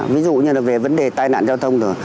ví dụ như về vấn đề tai nạn giao thông